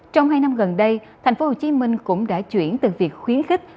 trong hai năm gần đây thành phố hồ chí minh cũng đã chuyển từ việc khuyến khích